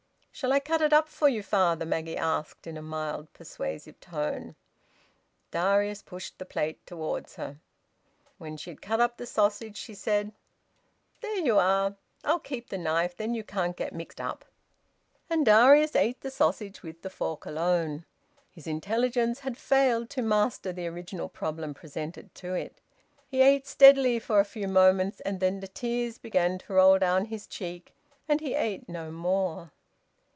"Shall I cut it up for you, father?" Maggie asked, in a mild, persuasive tone. Darius pushed the plate towards her. When she had cut up the sausage, she said "There you are! I'll keep the knife. Then you can't get mixed up." And Darius ate the sausage with the fork alone. His intelligence had failed to master the original problem presented to it. He ate steadily for a few moments, and then the tears began to roll down his cheek, and he ate no more.